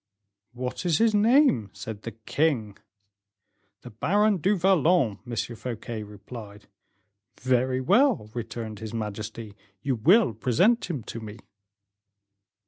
"'What is his name?' said the king. "'The Baron du Vallon,' M. Fouquet replied. "'Very well,' returned his majesty, 'you will present him to me.